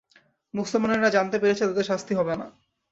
মুসলমানেরা জানতে পেরেছে তাদের শাস্তি হবে না।